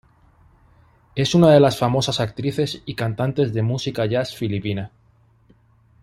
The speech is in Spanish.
Es una de las famosas actrices y cantantes de música jazz filipina.